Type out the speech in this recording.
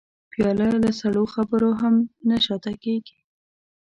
پیاله له سړو خبرو هم نه شا ته کېږي.